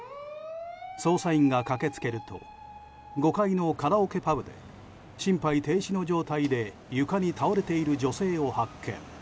捜査員が駆け付けると５階のカラオケパブで心肺停止の状態で床に倒れている女性を発見。